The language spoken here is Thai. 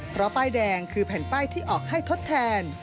เพราะป้ายแดงคือแผ่นป้ายที่ออกให้ทดแทน